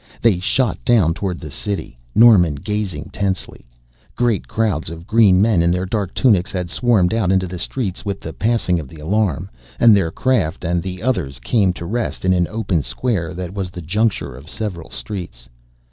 They shot down toward the city, Norman gazing tensely. Great crowds of green men in their dark tunics had swarmed out into its streets with the passing of the alarm, and their craft and the others came to rest in an open square that was the juncture of several streets.